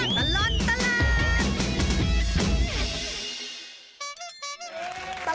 ช่วงตลอดตลาด